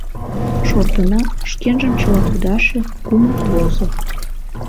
Шортынак, шкенжым чыла кудаше, кумык возо.